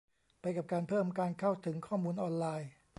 ไปกับการเพิ่มการเข้าถึงข้อมูลออนไลน์ ?